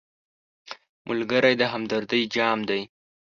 ملګری د همدردۍ جام دی